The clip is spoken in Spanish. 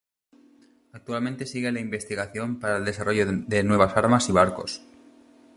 Actualmente sigue la investigación para el desarrollo de nuevas armas y barcos.